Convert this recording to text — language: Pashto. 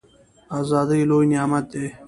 ازادي لوی نعمت دی